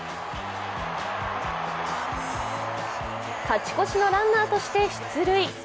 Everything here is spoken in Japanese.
勝ち越しのランナーとして出塁。